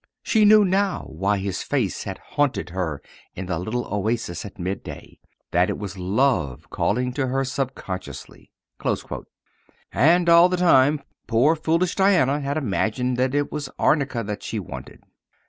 She knew now why his face had haunted her in the little oasis at midday that it was love calling to her sub consciously." And all the time poor, foolish Diana had imagined that it was arnica which she wanted.